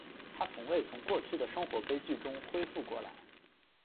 她从未从过去的生活悲剧中恢复过来。